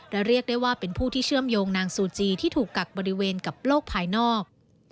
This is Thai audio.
และเรียกได้ว่าเป็นผู้ที่เชื่อมโยงนางซูจีที่ถูกกักบริเวณกับโลกภายนอก